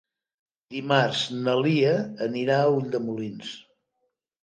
Dimarts na Lia anirà a Ulldemolins.